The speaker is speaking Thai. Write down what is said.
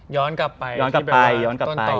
ย้อนกลับไปย้อนกลับไปต้นต่อ